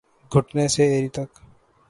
گھٹنے سے ایڑی تک